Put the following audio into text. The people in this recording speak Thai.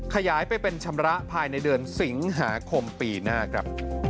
ขยายไปเป็นชำระภายในเดือนสิงหาคมปีหน้าครับ